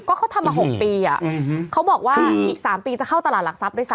ก็เขาทำมา๖ปีเขาบอกว่าอีก๓ปีจะเข้าตลาดหลักทรัพย์ด้วยซ